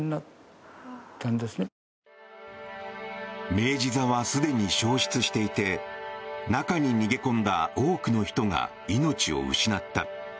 明治座はすでに焼失していて中に逃げ込んだ多くの人が命を失った。